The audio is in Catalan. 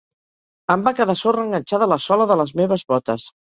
Em va quedar sorra enganxada a la sola de les meves botes.